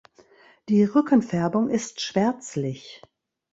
Die Rückenfärbung ist schwärzlich.